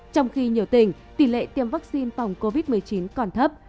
trong khi nhiều tỉnh tỷ lệ tiêm vaccine phòng covid một mươi chín còn thấp